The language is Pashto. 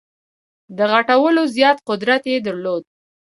د غټولو زیات قدرت یې درلود.